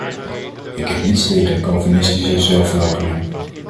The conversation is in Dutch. Ik heb niets tegen calvinistische zelfverloochening.